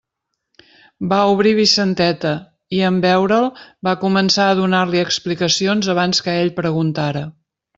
Va obrir Vicenteta, i en veure'l va començar a donar-li explicacions abans que ell preguntara.